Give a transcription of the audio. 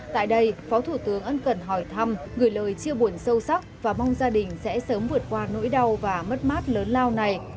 tại đây phó thủ tướng ân cần hỏi thăm gửi lời chia buồn sâu sắc và mong gia đình sẽ sớm vượt qua nỗi đau và mất mát lớn lao này